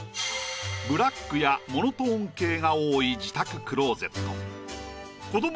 ブラックやモノトーン系が多い自宅クローゼット。